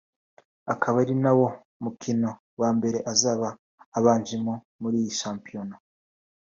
akaba ari nawo mukino wa mbere azaba abanjemo muri iyi Shampiona